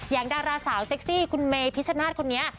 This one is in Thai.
อย่างดาราสาวเซ็กซี่คุณเมย์พิษณาศคนนี้